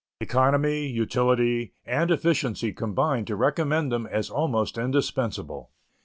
Economy, utility, and efficiency combine to recommend them as almost indispensable.